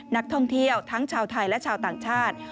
นักท่องเที่ยวทั้งชาวไทยและชาวต่างชาติ